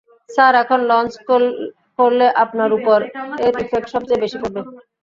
Sir, এখন launch করলে আপনার উপর এর ইফেক্ট সবচেয়ে বেশি পড়বে।